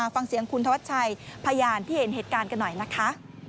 ฟังเสียงคุณธวัชชัยพยานที่เห็นเหตุการณ์กันหน่อยนะคะ